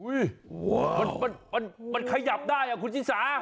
อุ๊ยมันขยับได้อะคุณศิษฟะ